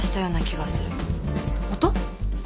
音？